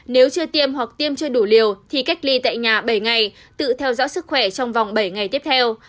nếu chưa tiêm hoặc tiêm chưa đủ liều thì cách ly tại nhà bảy ngày tự theo dõi sức khỏe trong vòng bảy ngày tiếp theo